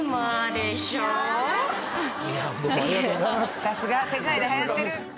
さすが世界で流行ってる。